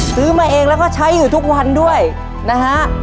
ซื้อมาเองแล้วก็ใช้อยู่ทุกวันด้วยนะฮะ